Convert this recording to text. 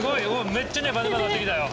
めっちゃネバネバなってきたよ。